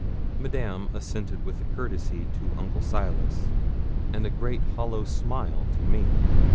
Madame assented with a courtesy to Uncle Silas, and a great hollow smile to me.